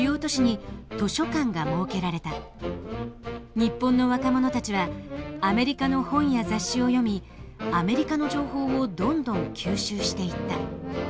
日本の若者たちはアメリカの本や雑誌を読みアメリカの情報をどんどん吸収していった。